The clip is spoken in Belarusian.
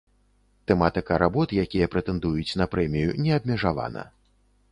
Тэматыка работ, якія прэтэндуюць на прэмію, не абмежавана.